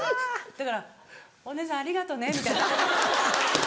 だから「お姉さんありがとね」みたいな。